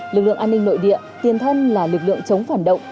lực lượng an ninh nội địa tiền thân là lực lượng chống phản động